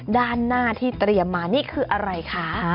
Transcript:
ด้านหน้าที่เตรียมมานี่คืออะไรคะ